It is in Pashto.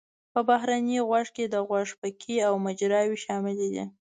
په بهرني غوږ کې د غوږ پکې او مجراوې شاملې دي.